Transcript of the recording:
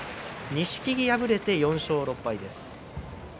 錦木、敗れて４勝６敗です。